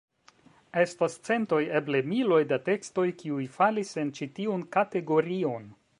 Estas centoj, eble miloj, da tekstoj, kiuj falis en ĉi tiun kategorion.